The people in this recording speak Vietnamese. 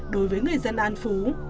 đối với người dân an phú